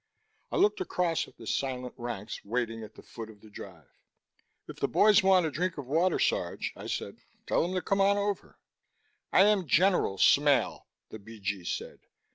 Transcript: I looked across at the silent ranks waiting at the foot of the drive. "If the boys want a drink of water, Sarge," I said, "tell 'em to come on over." "I am General Smale," the B.G. said.